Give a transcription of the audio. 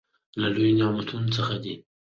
له لويو نعمتونو څخه دى.